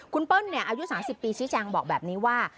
คุณเปิ้ลอายุ๓๐ปีชี้แจงบอกแบบนี้ว่า